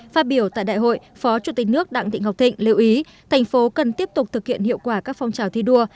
phát biểu tại đại hội phó chủ tịch nước đặng thị ngọc thịnh lưu ý thành phố cần tiếp tục thực hiện hiệu quả các phong trào thi đua